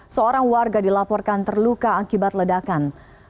seorang warga dilaporkan terluka akibat ledakan